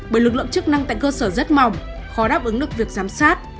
bởi lực lượng chức năng tại cơ sở rất mỏng khó đáp ứng được việc giám sát